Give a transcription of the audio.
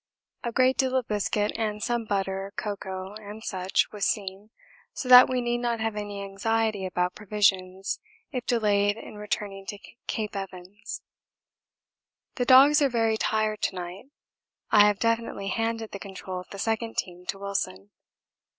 A great deal of biscuit and some butter, cocoa, &c., was seen, so that we need not have any anxiety about provisions if delayed in returning to Cape Evans. The dogs are very tired to night. I have definitely handed the control of the second team to Wilson.